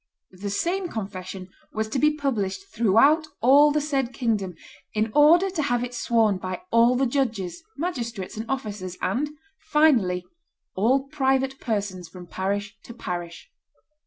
The same confession was to be published throughout all the said kingdom, in order to have it sworn by all the judges, magistrates, and officers, and, finally, all private persons from parish to parish.